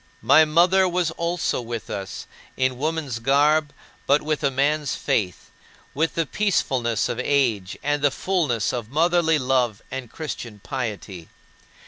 My mother was also with us in woman's garb, but with a man's faith, with the peacefulness of age and the fullness of motherly love and Christian piety.